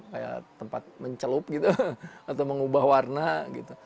kayak tempat mencelup gitu atau mengubah warna gitu